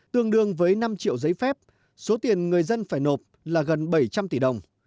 tương đương với năm triệu giấy phép số tiền người dân phải nộp là gần bảy trăm linh tỷ đồng